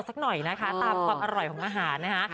สักหน่อยนะคะตามความอร่อยของอาหารนะคะ